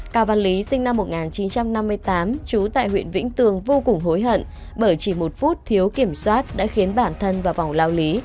cao văn lý sinh năm một nghìn chín trăm năm mươi tám trú tại huyện vĩnh tường vô cùng hối hận bởi chỉ một phút thiếu kiểm soát đã khiến bản thân vào vòng lao lý